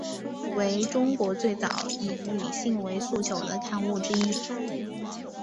为中国最早的以女性为诉求的刊物之一。